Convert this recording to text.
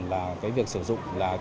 là cái việc sử dụng